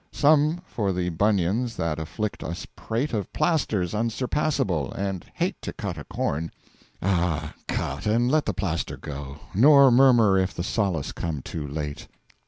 Some for the Bunions that afflict us prate Of Plasters unsurpassable, and hate To Cut a corn ah cut, and let the Plaster go, Nor murmur if the Solace come too late.